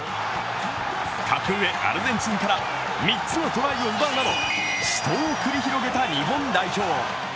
格上・アルゼンチンから３つのトライを奪うなど死闘を繰り広げた日本代表。